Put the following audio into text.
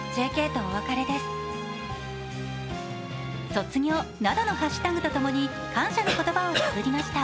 卒業などのハッシュタグとともに感謝の言葉をつづりました。